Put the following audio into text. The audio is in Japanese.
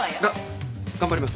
が頑張ります！